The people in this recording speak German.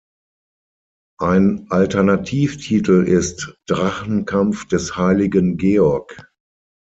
Ein Alternativtitel ist "Drachenkampf des heiligen Georg".